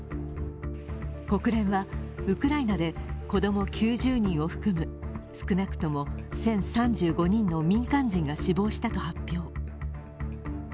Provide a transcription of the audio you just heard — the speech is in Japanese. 国連は、ウクライナで子供９０人を含む少なくとも１０３５人の民間人が死亡したと発表。